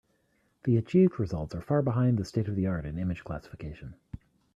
The achieved results are far behind the state-of-the-art in image classification.